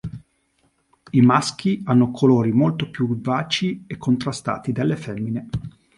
I maschi hanno colori molto più vivaci e contrastati delle femmine.